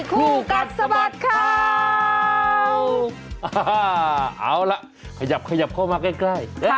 คู่กัดสะบัดข่าวเอาล่ะขยับขยับเข้ามาใกล้ใกล้